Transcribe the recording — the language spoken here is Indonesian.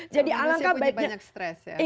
manusia punya banyak stress ya